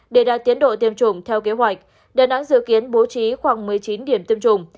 để đạt tiến độ tiêm chủng theo kế hoạch đà nẵng dự kiến bố trí khoảng một mươi chín điểm tiêm chủng